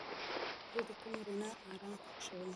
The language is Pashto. زه د کمې رڼا آرام خوښوم.